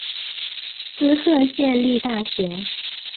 滋贺县立大学